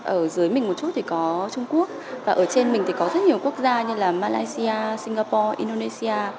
ở dưới mình một chút thì có trung quốc và ở trên mình thì có rất nhiều quốc gia như là malaysia singapore indonesia